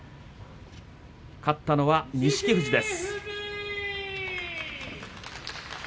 勝ったのは錦富士です。